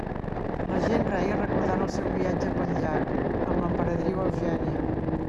La gent reia recordant el seu viatge pel llac amb l'emperadriu Eugènia.